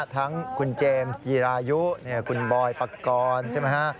ทั้งคุณเจมส์จีรายุคุณบอยปกรณ์ใช่ไหมฮะ